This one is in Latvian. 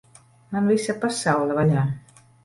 Man visa pasaule vaļā!